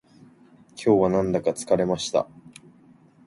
今日はなんだか疲れました